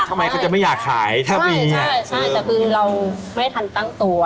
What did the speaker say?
ทำไมเขาจะไม่อยากขายถ้ามีใช่ใช่แต่คือเราไม่ทันตั้งตัว